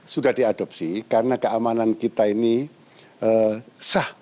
sudah diadopsi karena keamanan kita ini sah